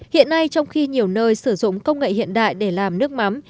hiện nay trong khi nhiều nơi sử dụng công nghệ hiện đại để làm nước mắm